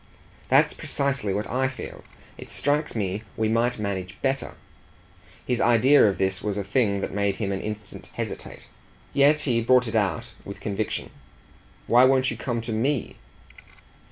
"That's precisely what I feel. It strikes me we might manage better." His idea of this was a thing that made him an instant hesitate; yet he brought it out with conviction. "Why won't you come to ME?"